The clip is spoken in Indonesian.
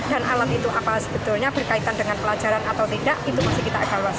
dan alat itu apa sebetulnya berkaitan dengan pelajaran atau tidak itu masih kita agak luas